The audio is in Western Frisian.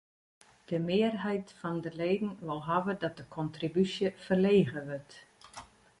De mearheid fan de leden wol hawwe dat de kontribúsje ferlege wurdt.